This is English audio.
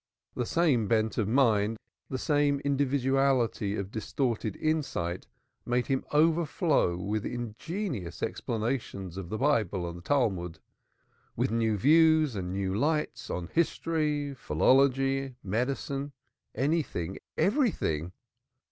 The same bent of mind, the same individuality of distorted insight made him overflow with ingenious explanations of the Bible and the Talmud, with new views and new lights on history, philology, medicine anything, everything.